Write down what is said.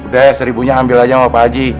udah ya seribunya ambil aja sama pak ji